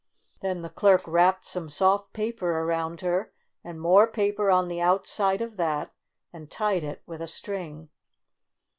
Then the clerk wrapped some soft paper around her, and more paper on the outside of that and tied it with a string.